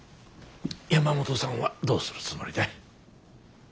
山本さんはどうするつもりだい？